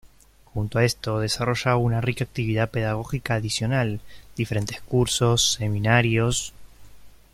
Junto a esto, desarrolla una rica actividad pedagógica adicionalː diferentes cursos, seminarios...